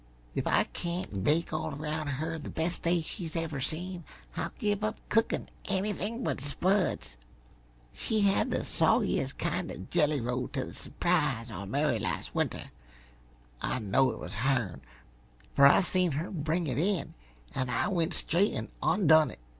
If I can't bake all around her the best day she ever seen, I'll give up cookin' anything but spuds. She had the soggiest kind uh jelly roll t' the su'prise on Mary last winter. I know it was hern, fer I seen her bring it in, an' I went straight an' ondone it.